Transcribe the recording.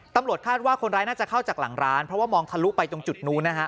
ตำรวจคาดว่าคนร้ายน่าจะเข้าจากหลังร้านเพราะว่ามองทะลุไปตรงจุดนู้นนะฮะ